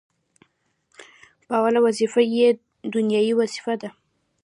چي اوله وظيفه يې ديني وظيفه ده،